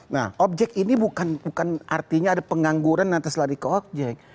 nah objek ini bukan artinya ada pengangguran nanti lari ke objek